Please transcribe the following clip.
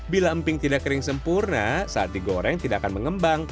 bila emping tidak kering sempurna saat digoreng tidak akan mengembang